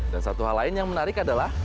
dan satu hal lain yang menarik adalah